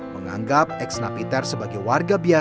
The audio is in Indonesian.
mengab mari kita berbisa goreng nyuruhnya